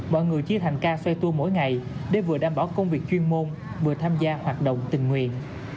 mọi người chia thành ca xoay tua mỗi ngày để vừa đảm bảo công việc chuyên môn vừa tham gia hoạt động tình nguyện